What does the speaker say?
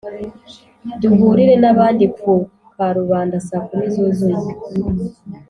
duhurire n’abandi ku karubanda saa kumi zuzuye.